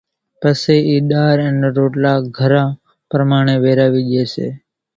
پسي اِي ڏارِ انين روٽلا گھران پرماڻي ويراوي ڄي سي،